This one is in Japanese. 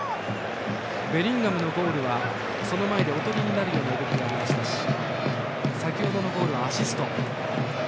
ベリンガムのゴールはその前でおとりになるような動きがありましたし先程のゴールはアシスト。